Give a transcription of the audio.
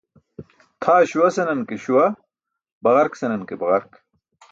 Tʰaa śuwa senan ke śuwa, baġark senan ke baġark.